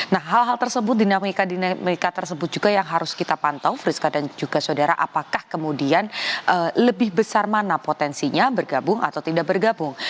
nah hal hal tersebut dinamika dinamika tersebut juga yang harus kita pantau friska dan juga saudara apakah kemudian lebih besar mana potensinya bergabung atau tidak bergabung